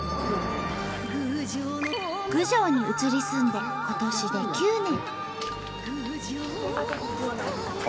郡上に移り住んで今年で９年。